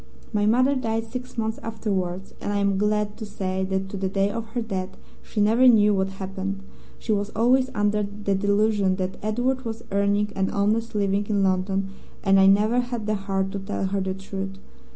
My mother died six months afterwards, and I am glad to say that to the day of her death she never knew what happened. She was always under the delusion that Edward was earning an honest living in London, and I never had the heart to tell her the truth.